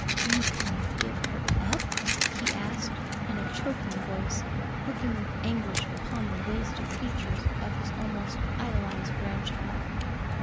"You can give her up?" he asked, in a choking voice, looking with anguish upon the wasted features of his almost idolized grandchild.